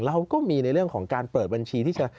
เราก็มีในเรื่องของการเปิดบัญชีที่จะ